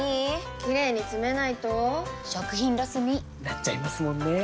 キレイにつめないと食品ロスに．．．なっちゃいますもんねー！